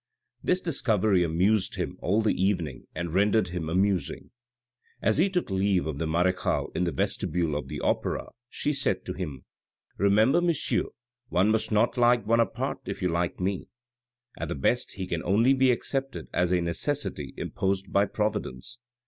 This discovery amused him all the evening, and rendered him amusing. As he took leave of the marechale in the vestibule of the opera, she said to him, " Remember, monsieur, one must not like Bonaparte if you like me ; at the best he can only be accepted as a necessity imposed by Providence.